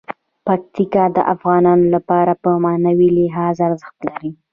پکتیکا د افغانانو لپاره په معنوي لحاظ ارزښت لري.